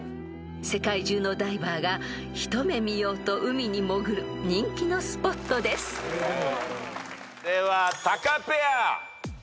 ［世界中のダイバーが一目見ようと海に潜る人気のスポットです］ではタカペア。